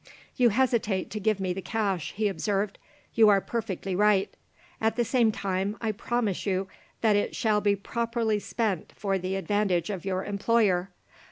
"You hesitate to give me the cash," he observed. "You are perfectly right; at the same time, I promise you that it shall be properly spent for the advantage of your employer.